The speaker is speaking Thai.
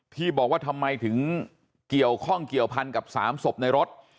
ที่บอกว่าทำไมถึงเกี่ยวข้องเกี่ยวพันกับ๓ศพในรถ